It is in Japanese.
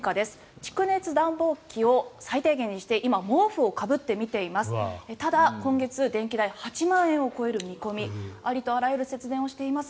蓄熱暖房機を最低限にして今、毛布をかぶって見ています。